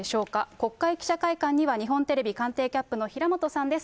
国会記者会館には、日本テレビ官邸キャップの平本さんです。